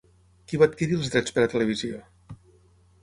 Qui va adquirir els drets per televisió?